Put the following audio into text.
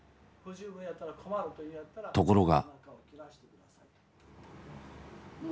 ところが。